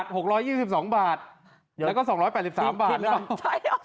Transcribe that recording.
๑บาท๖๒๒บาทแล้วก็๒๘๓บาทหรือเปล่า